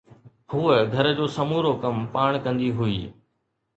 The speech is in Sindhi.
هوءَ گهر جو سمورو ڪم پاڻ ڪندي هئي